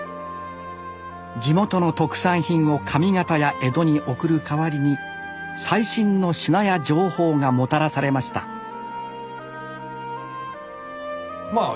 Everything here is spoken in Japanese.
地元の特産品を上方や江戸に送る代わりに最新の品や情報がもたらされましたまあ